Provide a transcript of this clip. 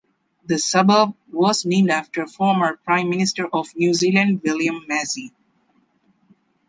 The suburb was named after former Prime Minister of New Zealand William Massey.